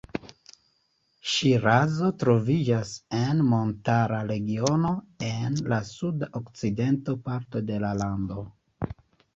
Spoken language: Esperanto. Ŝirazo troviĝas en montara regiono en la sud-okcidenta parto de la lando.